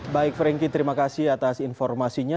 baik franky terima kasih atas informasinya